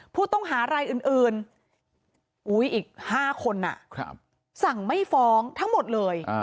ผู้ต้องหารายอื่นอีก๕คนสั่งไม่ฟ้องทั้งหมดเลย